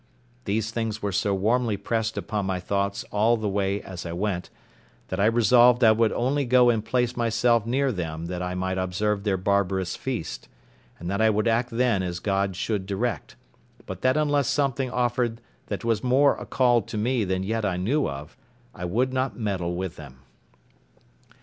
These things were so warmly pressed upon my thoughts all the way as I went, that I resolved I would only go and place myself near them that I might observe their barbarous feast, and that I would act then as God should direct; but that unless something offered that was more a call to me than yet I knew of, I would not meddle with them.